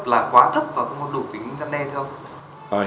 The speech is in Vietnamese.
là quá thất và không có đủ kính vấn đề thế không